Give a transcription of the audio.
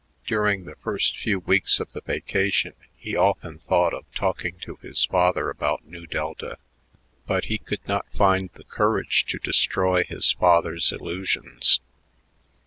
During the first few weeks of the vacation he often thought of talking to his father about Nu Delta, but he could not find the courage to destroy his father's illusions.